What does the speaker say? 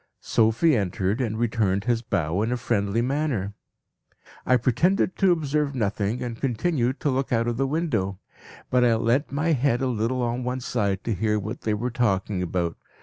"Sophie entered and returned his bow in a friendly manner. "I pretended to observe nothing, and continued to look out of the window. But I leant my head a little on one side to hear what they were talking about.